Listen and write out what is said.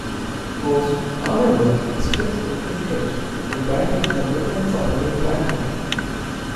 Holst, however, expressed no interest in writing a movement for the new planet.